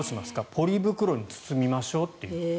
ポリ袋に包みましょうという。